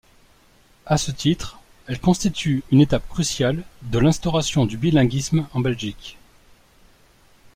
À ce titre, elle constitue une étape cruciale de l'instauration du bilinguisme en Belgique.